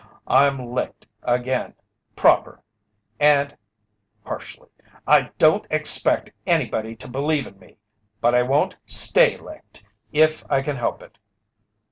I'm licked again proper and," harshly, "I don't expect anybody to believe in me, but I won't stay licked if I can help it!"